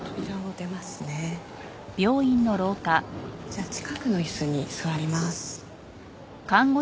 じゃあ近くの椅子に座ります。